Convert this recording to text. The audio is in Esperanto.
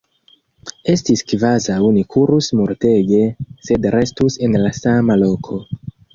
Estis kvazaŭ ni kurus multege sed restus en la sama loko.